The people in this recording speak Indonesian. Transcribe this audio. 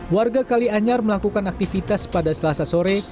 warga kalianyar melakukan aktivitas pada selasa sore